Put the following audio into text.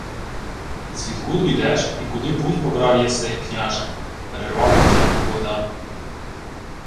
— Звідкуду йдеш і куди путь побрав єси, княже? — перервав мовчанку Богдан.